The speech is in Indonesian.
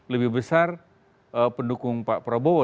lebih besar pendukung pak prabowo